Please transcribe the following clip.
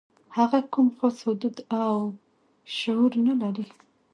هغه کوم خاص حدود او ثغور نه لري.